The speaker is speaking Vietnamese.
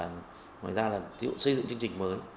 ngoài ra là xây dựng chương trình mới